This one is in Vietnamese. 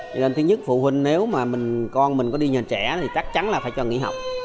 cho nên thứ nhất phụ huynh nếu mà con mình có đi nhà trẻ thì chắc chắn là phải cho nghỉ học